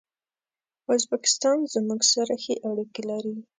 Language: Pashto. ازبکستان زموږ سره ښې اړیکي لري.